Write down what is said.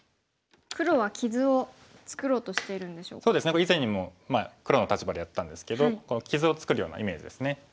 これ以前にも黒の立場でやったんですけど傷を作るようなイメージですね。